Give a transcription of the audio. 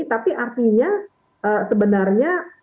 tapi artinya sebenarnya